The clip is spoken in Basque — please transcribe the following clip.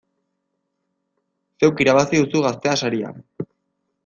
Zeuk irabazi duzu Gaztea saria!